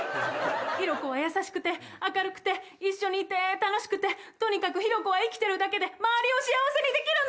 ヒロコは優しくて明るくて一緒にいて楽しくてとにかくヒロコは生きてるだけで周りを幸せにできるの！